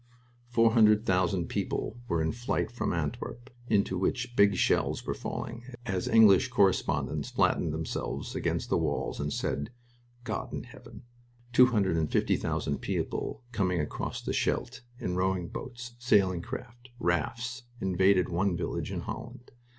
Four hundred thousand people were in flight from Antwerp, into which big shells were falling, as English correspondents flattened themselves against the walls and said, "God in heaven!" Two hundred and fifty thousand people coming across the Scheldt in rowing boats, sailing craft, rafts, invaded one village in Holland.